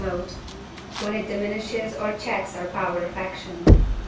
note), when it diminishes or checks our power of action.